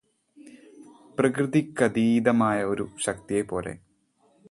പ്രകൃതിക്കതീതമായ ഒരു ശക്തിയെപ്പോലെ.